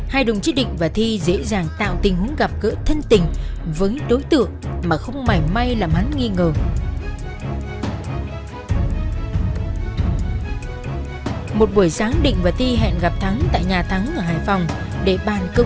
hai đồng triết định và thi dễ dàng tạo tình huống gặp cỡ thân tình với đối tượng mà không mải may làm hắn nghi ngờ